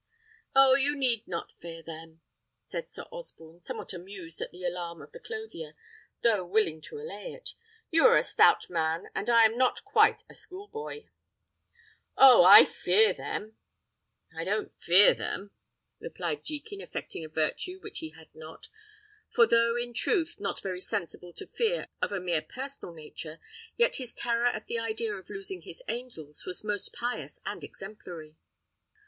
"Oh! you need not fear them," said Sir Osborne, somewhat amused at the alarm of the clothier, though willing to allay it. "You are a stout man, and I am not quite a schoolboy." "Oh! I fear them! I don't fear them," replied Jekin, affecting a virtue which he had not; for though, in truth, not very sensible to fear of a mere personal nature, yet his terror at the idea of losing his angels was most pious and exemplary.